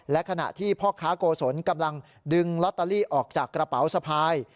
และขณะที่พ่อค้าโกศลกำลังดึงลอตเตอรี่ออกจากกระเป๋าสะพาย